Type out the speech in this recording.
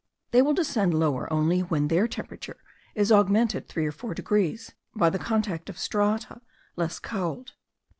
They will descend lower only when their temperature is augmented 3 or 4 degrees by the contact of strata less cold.